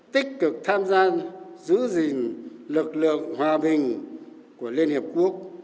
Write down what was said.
tích cực tham gia giữ gìn lực lượng hòa bình của liên hiệp quốc